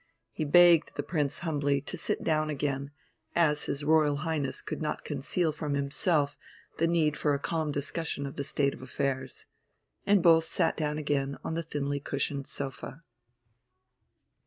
He begged the Prince humbly to sit down again, as his Royal Highness could not conceal from himself the need for a calm discussion of the state of affairs. And both sat down again on the thinly cushioned sofa.